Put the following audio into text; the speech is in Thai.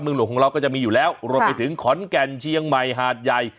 หลวงของเราก็จะมีอยู่แล้วรวมไปถึงขอนแก่นเชียงใหม่หาดใหญ่